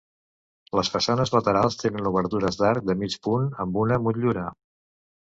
Les façanes laterals tenen obertures d'arc de mig punt amb una motllura.